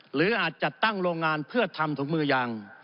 หรืออาจจะตั้งโรงงานเพื่อทำถุงมือยาง